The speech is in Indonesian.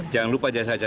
jangan lupa jas aja